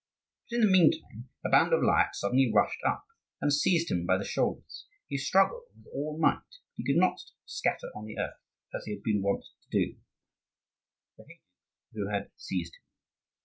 But in the meantime a band of Lyakhs suddenly rushed up, and seized him by the shoulders. He struggled with all might; but he could not scatter on the earth, as he had been wont to do, the heydukes who had seized him.